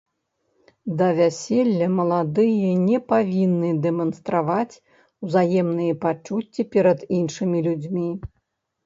Да вяселля маладыя не павінны дэманстраваць узаемныя пачуцці перад іншымі людзьмі.